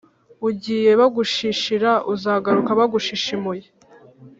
ugiye bagushishira uzagaruka bagushishimuye